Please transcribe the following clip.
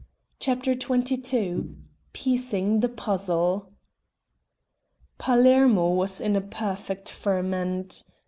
CHAPTER XXII PIECING THE PUZZLE Palermo was in a perfect ferment.